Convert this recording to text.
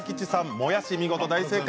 もやし、見事大正解。